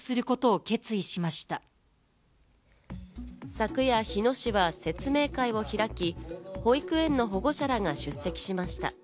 昨夜、日野市は説明会を開き、保育園の保護者らが出席しました。